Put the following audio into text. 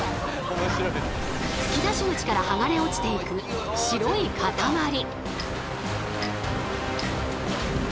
噴き出し口からはがれ落ちていく白いかたまり。